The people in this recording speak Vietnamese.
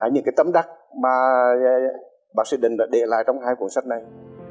những tấm đắc mà bác sĩ định đã để lại trong hai cuốn sách này